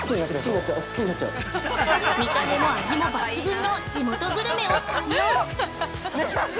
見た目も味も抜群の地元グルメを堪能！